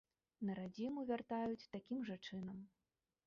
На радзіму вяртаюць такім жа чынам.